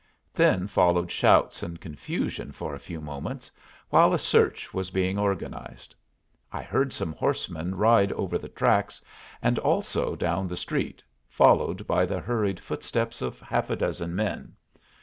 Then followed shouts and confusion for a few moments, while a search was being organized. I heard some horsemen ride over the tracks, and also down the street, followed by the hurried footsteps of half a dozen men.